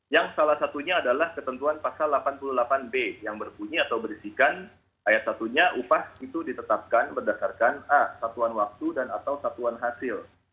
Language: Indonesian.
yang salah satunya adalah ketentuan pasal delapan puluh delapan b yang berbunyi atau berisikan ayat satunya upah itu ditetapkan berdasarkan a satuan waktu dan atau satuan hasil